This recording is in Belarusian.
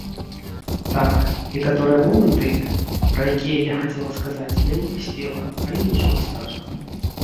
Так, некаторыя моманты, пра якія я хацела сказаць, я не паспела, але нічога страшнага.